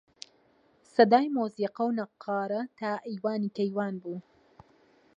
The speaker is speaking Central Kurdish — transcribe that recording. سەدای مۆزیقە و نەققارە تا ئەیوانی کەیوان بوو